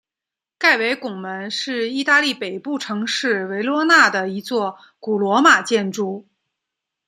盖维拱门是意大利北部城市维罗纳的一座古罗马建筑。